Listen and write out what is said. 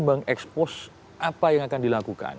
mengekspos apa yang akan dilakukan